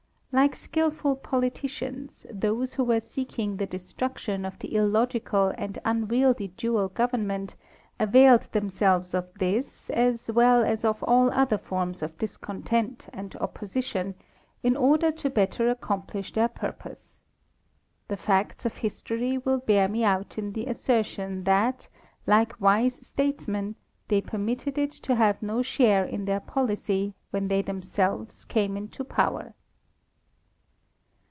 Like skillful politicians, those who were seeking the destruction of the illogical and unwieldly dual gov ernment availed themselves of this, as well as of all other forms of discontent and opposition, in order to better accomplish their purpose. The facts of history will bear me out in the assertion that, like wise statesmen, they permitted it to have no share in their policy when they themselves came into power.